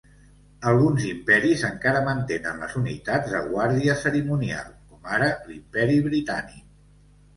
Alguns imperis encara mantenen les unitats de guàrdia cerimonial, com ara l'Imperi Britànic.